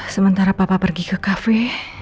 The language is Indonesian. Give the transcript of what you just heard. sementara papa pergi ke kafe